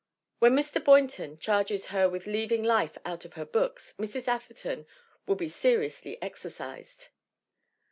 When Mr. Boynton charges her with leaving life out of her books Mrs. Atherton will be seriously exercised.